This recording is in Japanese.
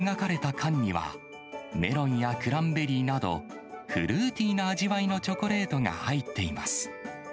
ゴッホやモネの名画が描かれた缶には、メロンやクランベリーなど、フルーティーな味わいのチョコレートが入っています。